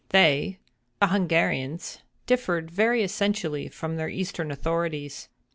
They—the Hungarians—differed very essentially from their Eastern authorities.